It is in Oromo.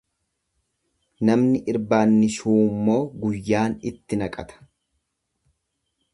Namni irbaanni shuummoo guyyaan itti naqata.